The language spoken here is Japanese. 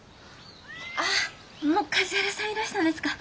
あっもう梶原さんいらしたんですか？